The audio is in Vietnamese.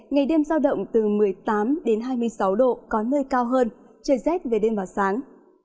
ngày đêm giao động từ một mươi tám hai mươi sáu độ có nơi cao hơn trời rét về đêm và sáng